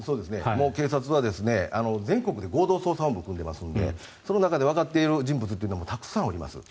警察は全国で合同捜査本部を組んでいますのでその中でわかっている人物というのもたくさんいます。